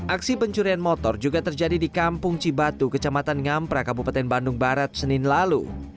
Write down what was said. aksi pencurian motor juga terjadi di kampung cibatu kecamatan ngampra kabupaten bandung barat senin lalu